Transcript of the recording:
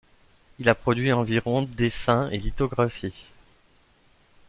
Il a produit environ dessins et lithographies.